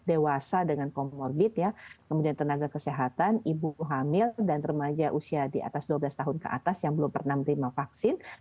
dewasa dengan comorbid ya kemudian tenaga kesehatan ibu hamil dan remaja usia di atas dua belas tahun ke atas yang belum pernah menerima vaksin